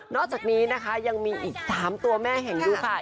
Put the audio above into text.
อกจากนี้นะคะยังมีอีก๓ตัวแม่แห่งยุคค่ะ